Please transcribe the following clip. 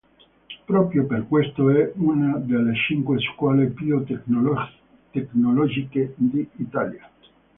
Proprio per questo è una delle cinque scuole più tecnologiche d'Italia.